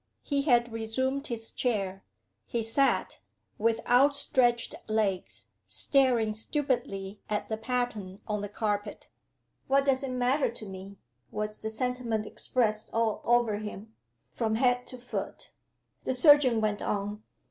He had resumed his chair he sat, with outstretched legs, staring stupidly at the pattern on the carpet. "What does it matter to Me?" was the sentiment expressed all over him, from head to foot. The surgeon went on.